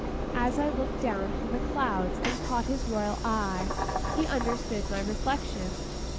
As I looked down from the clouds and caught his royal eye, he understood my reflections.